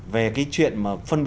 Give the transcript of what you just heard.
về cái chuyện mà